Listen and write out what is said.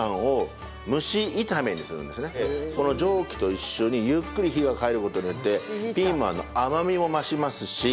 蒸気と一緒にゆっくり火が入る事によってピーマンの甘みも増しますし。